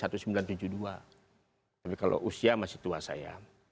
tapi kalau usia masih tua saya